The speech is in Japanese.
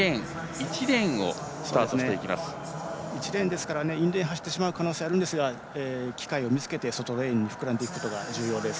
１レーンですからインレーンを走ってしまう危険がありますが機会を見つけて外レーンにいくことが重要です。